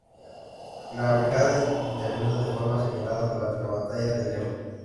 La brigada intervino de forma señalada durante la Batalla del Ebro.